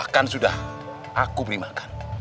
kan sudah aku beri makan